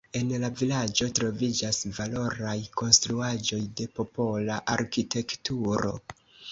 En la vilaĝo troviĝas valoraj konstruaĵoj de popola arkitekturo.